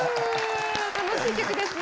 楽しい曲ですね。